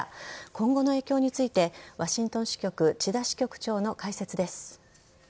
今後の影響についてワシントン支局千田支局長の解説です。